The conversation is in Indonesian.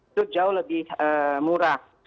itu jauh lebih murah